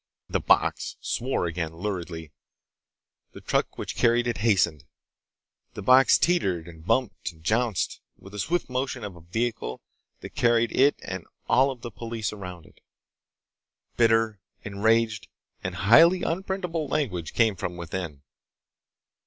The box swore again, luridly. The truck which carried it hastened. The box teetered and bumped and jounced with the swift motion of the vehicle that carried it and all the police around it. Bitter, enraged, and highly unprintable language came from within.